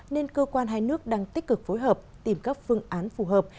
nên cơ quan hai nước đang tích cực phối hợp tìm các phương án phù hợp